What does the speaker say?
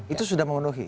itu sudah memenuhi